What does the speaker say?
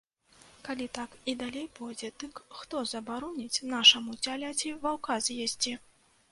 Калі так і далей пойдзе, дык хто забароніць нашаму цяляці ваўка з'есці?